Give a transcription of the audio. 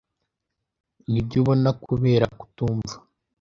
Nibyo ubona kubera kutumva.